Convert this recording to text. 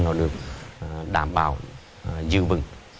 nó được đảm bảo dư vững